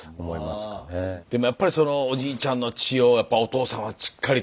でもやっぱりそのおじいちゃんの血をお父さんはしっかりと。